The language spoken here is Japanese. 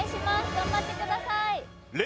頑張ってください！